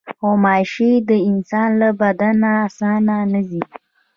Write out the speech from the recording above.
غوماشې د انسان له بدن نه اسانه نه ځي.